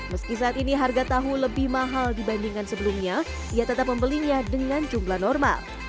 meski saat ini harga tahu lebih mahal dibandingkan sebelumnya ia tetap membelinya dengan jumlah normal